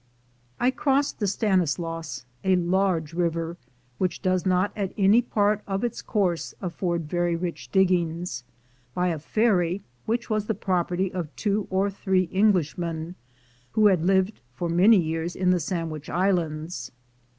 I crossed the Stanislaus — a large river, which does not at any part of its course afford very rich dig gings — by a ferry which was the property of two or three Englishmen, who had lived for many years in the Sandwich Islands.